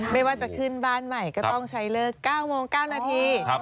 ไม่ว่าจะขึ้นบ้านใหม่ก็ต้องใช้เลิก๙โมง๙นาที